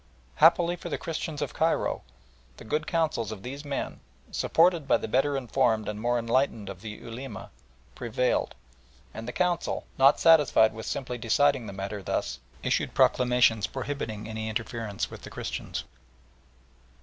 Happily for the Christians of Cairo the good counsels of these men, supported by the better informed and more enlightened of the Ulema, prevailed, and the Council, not satisfied with simply deciding the matter thus, issued proclamations prohibiting any interference with the Christians.